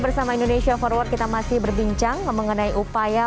terima kasih anda mas